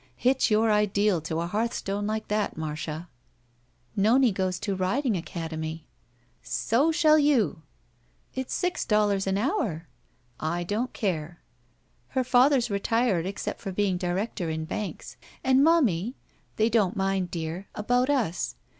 "Hitch your ideal to a hearthstone Uke that, Marda." "Nonie goes to riding academy." "So shall you." "It's six dollars an hour." "I don't care." "Her father's retired except for being director in banks. And, momie — ^they don't mind, dear — about us.